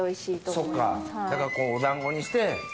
そっかだからお団子にして。